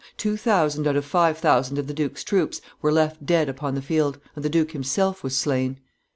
Two thousand out of five thousand of the duke's troops were left dead upon the field, and the duke himself was slain!